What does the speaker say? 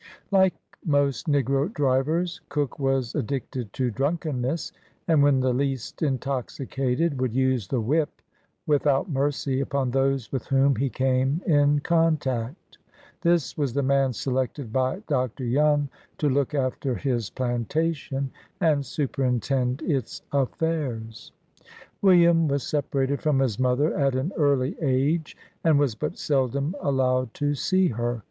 Like most negro drivers, Cook was addicted to drunkenness, and when the least intoxicated, would use the whip without mercy upon those with whom he came in contact. This was the man selected by Dr. Young to look after his plantation, and superintend its affairs. William was separated from his mother at an early age, and was but seldom allowed to see her.